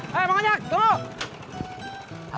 terima kasih juga